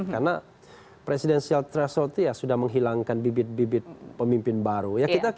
karena presidential threshold itu sudah menghilangkan bibit bibit pemimpin baru